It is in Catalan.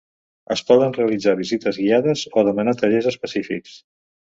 Es poden realitzar visites guiades o demanar tallers específics.